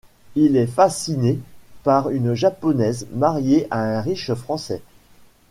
Il est fasciné par une Japonaise mariée a un riche Français.